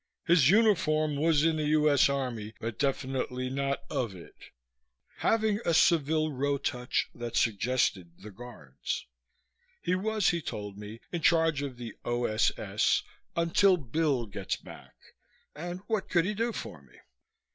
His uniform was in the U.S. Army but definitely not of it having a Savile Row touch that suggested the Guards. He was, he told me, in charge of the O.S.S. "until Bill gets back," and what could he do for me?